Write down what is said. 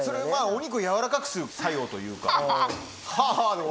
お肉軟らかくする作用というか。